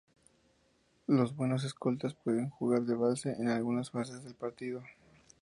Los buenos escoltas pueden jugar de base en algunas fases del partido.